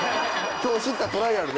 今日知ったトライアルで？